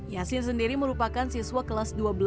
yasin sendiri merupakan siswa kelas dua belas